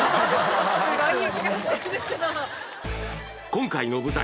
今回の舞台